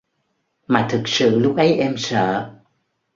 mà thực sự lúc ấy em sợ